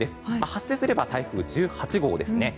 発生すれば台風１８号ですね。